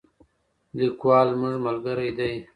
لیکوال زموږ ملګری دی.